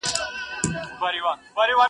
• ځکه نه خېژي په تله برابر د جهان یاره..